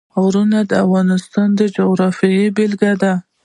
غرونه د افغانستان د جغرافیې بېلګه ده.